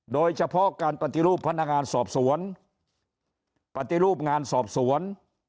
โดยเฉพาะการปฏิรูปพนักงานสอบสวนปฏิรูปงานสอบสวน